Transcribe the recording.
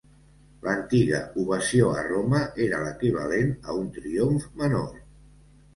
L'antiga ovació a Roma era l'equivalent a un triomf menor.